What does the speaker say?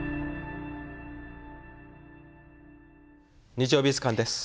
「日曜美術館」です。